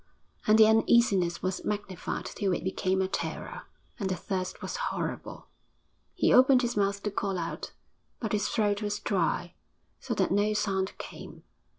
And the uneasiness was magnified till it became a terror, and the thirst was horrible. He opened his mouth to call out, but his throat was dry, so that no sound came.